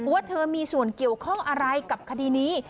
ว่าเธอมีส่วนเกี่ยวข้องอะไรกับคดีนี้